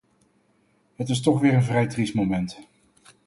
Het is toch weer een vrij triest moment.